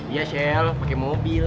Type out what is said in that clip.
iya sel pake mobil